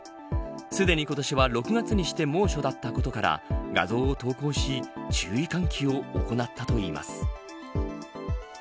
すでに今年は６月にして猛暑だったことから画像を投稿し注意喚起を行ったといいます。